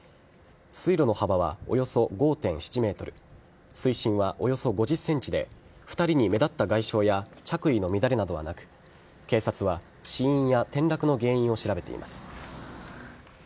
水路の幅はおよそ５．７ｍ水深はおよそ５０ｃｍで２人に目立った外傷や着衣の乱れなどはなく警察は死因や転落の原因を調べています。